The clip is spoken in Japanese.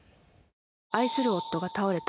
「愛する夫が倒れた」